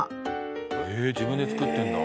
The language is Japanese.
え自分で作ってんだ。